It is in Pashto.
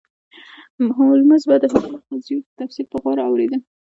هولمز به د هغه د قضیو تفصیل په غور اوریده.